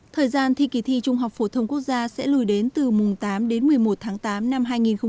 thời gian thi kỳ thi trung học phổ thông quốc gia sẽ lùi đến từ mùng tám đến một mươi một tháng tám năm hai nghìn hai mươi